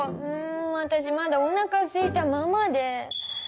わたしまだおなかすいたままで。